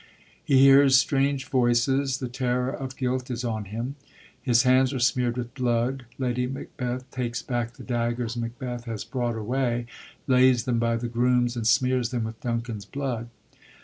He hears strange voices ; the terror of guilt is on him ; his hands are smeard with blood. Lady Macbeth takes back the daggers Macbeth has brought away, lays them by the grooms, and smears them with Duncan's blood.